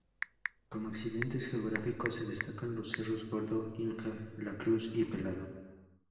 Como accidentes geográficos se destacan los cerros Gordo, Inga, La Cruz y Pelado.